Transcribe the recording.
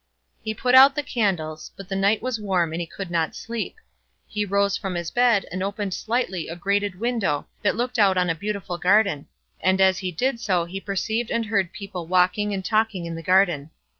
He put out the candles; but the night was warm and he could not sleep; he rose from his bed and opened slightly a grated window that looked out on a beautiful garden, and as he did so he perceived and heard people walking and talking in the garden.